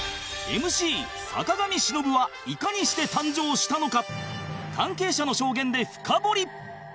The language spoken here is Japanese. ＭＣ 坂上忍はいかにして誕生したのか？